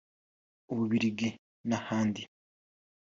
u Bubiligi n’ahandi